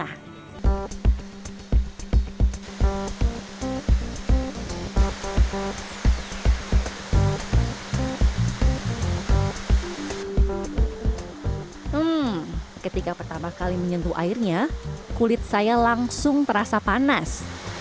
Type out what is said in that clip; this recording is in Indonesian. hmm ketika pertama kali menyentuh airnya kulit saya langsung terasa panas